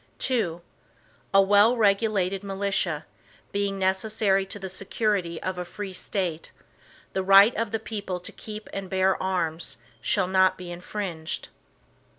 II A well regulated militia, being necessary to the security of a free State, the right of the people to keep and bear arms, shall not be infringed.